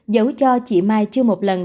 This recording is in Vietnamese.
giấu cho chị mai chưa một lần